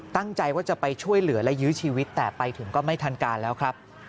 ตั้งใจว่าจะไปช่วยเหลือและยื้อชีวิตแต่ไปถึงก็ไม่ทันการแล้วครับ